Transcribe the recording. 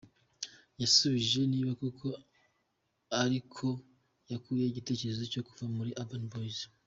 Yasubije niba koko ariho yakuye igitekerezo cyo kuva muri Urban Boys.